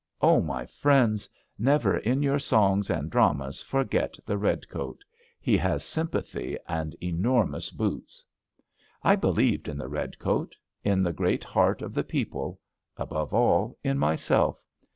my friends, never in your songs and dramas forget the redcoat. He has sympathy and enormous boots. I believed in the redcoat; in the great heart of the people : above all in myself.